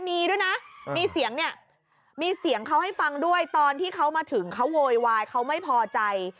มีด้วยนะมีเสียงเนี่ยมีเสียงเขาให้ฟังด้วยตอนที่เขามาถึงเขาโวยวายเขาไม่พอใจ